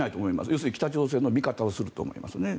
要するに北朝鮮の味方をすると思いますね。